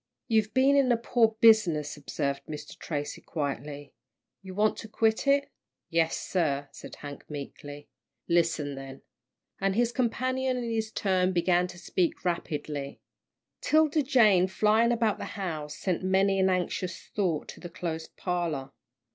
"You've been in a poor business," observed Mr. Tracy, quietly. "You want to quit it?" "Yes, sir," said Hank, meekly. "Listen then " and his companion in his turn began to speak rapidly. 'Tilda Jane, flying about the house, sent many an anxious thought to the closed parlour.